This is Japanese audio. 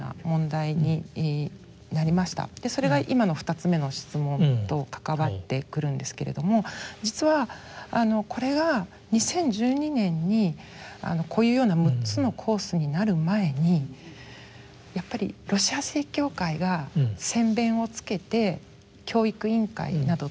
それが今の２つ目の質問と関わってくるんですけれども実はこれが２０１２年にこういうような６つのコースになる前にやっぱりロシア正教会が先鞭をつけて教育委員会などと連携していたんですね。